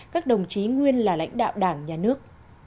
các đồng chí nguyên là lãnh đạo đảng nhà nước